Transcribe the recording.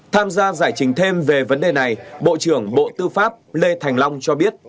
tham gia giải trình thêm về vấn đề này bộ trưởng bộ tư pháp lê thành long cho biết